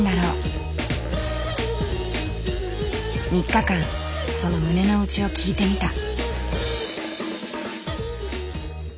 ３日間その胸の内を聞いてみた。